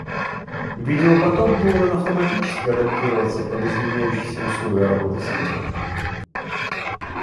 Видеопоток должен автоматически адаптироваться под изменяющиеся условия работы сети